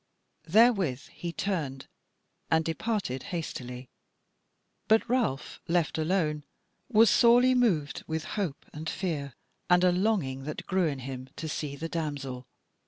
Therewith he turned and departed hastily. But Ralph left alone was sorely moved with hope and fear, and a longing that grew in him to see the damsel.